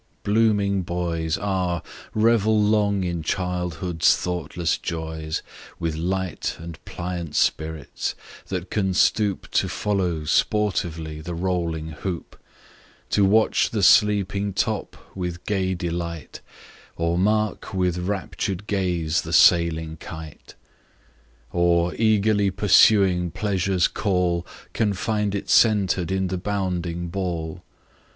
blooming boys, Ah! revel long in childhood's thoughtless joys, With light and pliant spirits, that can stoop To follow, sportively, the rolling hoop; Page 71 To watch the sleeping top with gay delight, Or mark, with raptured gaze, the sailing kite; Or, eagerly pursuing Pleasure's call, Can find it center'd in the bounding ball.